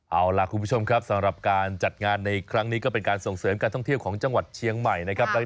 เอาล่ะคุณผู้ชมครับสำหรับการจัดงานในครั้งนี้ก็เป็นการส่งเสริมการท่องเที่ยวของจังหวัดเชียงใหม่นะครับ